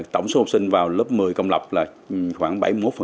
tổng số học sinh vào lớp một mươi công lập là khoảng bảy mươi một